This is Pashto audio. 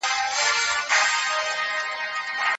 د کار کموالی د پرمختګ مخه نیسي.